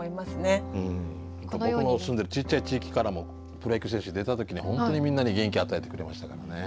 僕の住んでるちっちゃい地域からもプロ野球選手出た時には本当にみんなに元気を与えてくれましたからね。